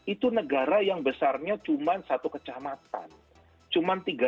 itu negara yang besarnya cuma satu kecamatan cuma tiga